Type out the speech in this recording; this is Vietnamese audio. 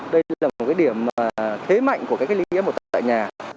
đây là một cái điểm thế mạnh của cái cách ly tập trung tại nhà